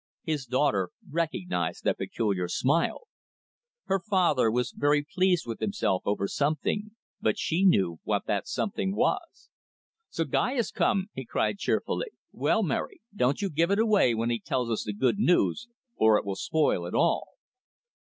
His daughter recognised that peculiar smile. Her father was very pleased with himself over something. But she knew what that something was. "So Guy has come," he cried cheerfully. "Well, Mary, don't you give it away when he tells us the good news, or it will spoil it all."